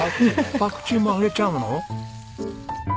パクチーも揚げちゃうの？